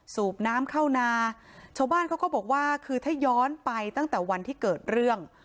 สูบน้ำเข้านาชาวบ้านเขาก็บอกว่าคือถ้าย้อนไปตั้งแต่วันที่เกิดเรื่อง